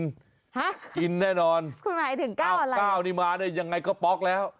ฮะคุณหมายถึง๙อะไร๙นี่มาเนี่ยยังไงก็ป๊อกแล้ว